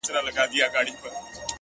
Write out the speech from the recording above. پوهه د غوره راتلونکي رڼا ده